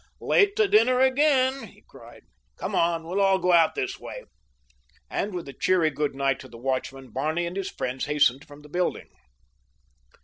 "Late to dinner again," he cried. "Come on, we'll go out this other way." And with a cheery good night to the watchman Barney and his friends hastened from the building.